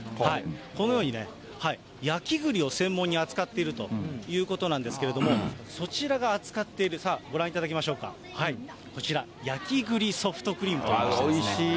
このようにね、焼きぐりを専門に扱っているということなんですけれども、そちらが扱ってる、さあご覧いただきましょうか、こちら、焼栗ソフトクリームというものですね。